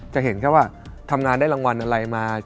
จะเห็นแค่ว่าทำงานได้รางวัลอะไรมา